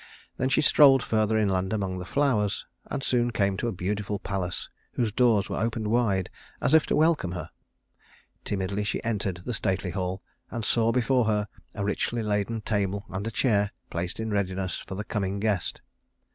Then she strolled further inland among the flowers, and soon came to a beautiful palace whose doors were opened wide as if to welcome her. Timidly she entered the stately hall, and saw before her a richly laden table and a chair placed in readiness for the coming guest.